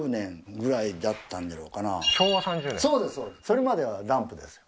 それまではランプですよ